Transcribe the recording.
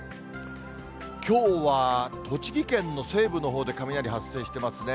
きょうは栃木県の西部のほうで雷発生してますね。